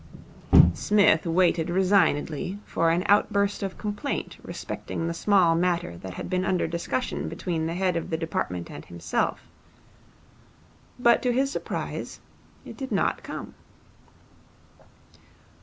Psmith waited resignedly for an outburst of complaint respecting the small matter that had been under discussion between the head of the department and himself; but to his surprise it did not come.